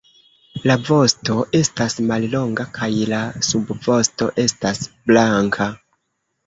La vosto estas mallonga kaj la subvosto estas blanka.